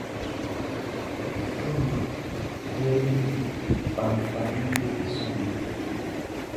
Fieʼn nunʼn, flɛri fanunfanunʼm be sɔnnin.